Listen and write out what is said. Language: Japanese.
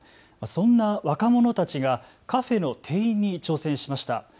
そんな若者たちがカフェの店員に挑戦しました。